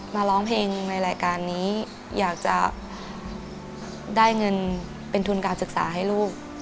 ร้องเพลงในรายการนี้อยากจะได้เงินเป็นทุนการศึกษาให้ลูก